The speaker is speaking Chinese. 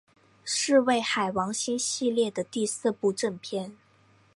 是为海王星系列的第四部正篇。